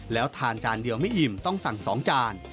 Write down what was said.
แล้วทานจานเดียวไม่อิ่มต้องสั่ง๒จาน